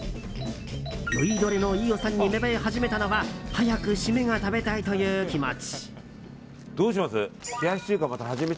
酔いどれの飯尾さんに芽生え始めたのは早く締めが食べたいという気持ち。